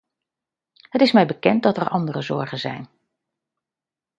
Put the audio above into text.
Het is mij bekend dat er andere zorgen zijn.